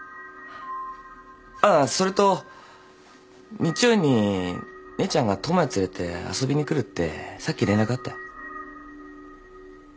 ああそれと日曜に姉ちゃんが智也連れて遊びに来るってさっき連絡あったよ。